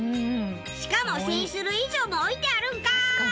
しかも１０００種類以上も置いてあるんかーい！